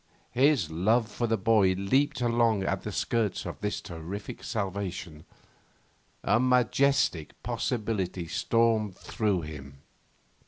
His love for the boy leaped headlong at the skirts of this terrific salvation. A majestic possibility stormed through him.